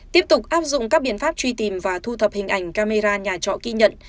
tiếp tục áp dụng các biện pháp truy tìm và thu thập hình ảnh camera nhà trọ ghi nhận